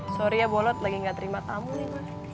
sorry ya bolot lagi ga terima tamu nih